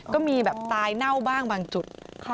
ก็มีแบบตายเน่าบ้างบางจุด